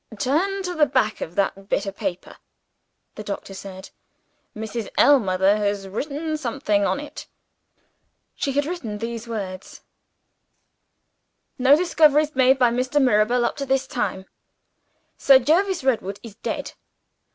"Turn to the back of that bit of paper," the doctor said. "Mrs. Ellmother has written something on it." She had written these words: "No discoveries made by Mr. Mirabel, up to this time. Sir Jervis Redwood is dead.